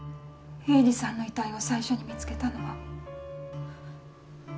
栄治さんの遺体を最初に見つけたのは私です。